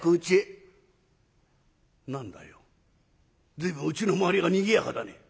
随分うちの周りがにぎやかだね。